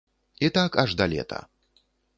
І так аж да лета.